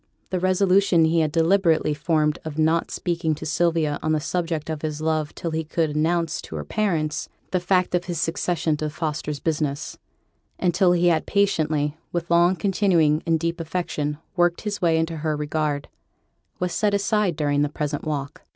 The resolution he had deliberately formed of not speaking to Sylvia on the subject of his love till he could announce to her parents the fact of his succession to Fosters' business, and till he had patiently, with long continuing and deep affection, worked his way into her regard, was set aside during the present walk.